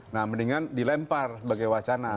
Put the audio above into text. nah mendingan dilempar sebagai wacana